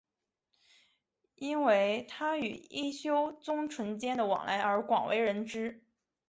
因为他与一休宗纯间的往来而广为人知。